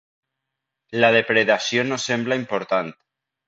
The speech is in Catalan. La depredació no sembla important.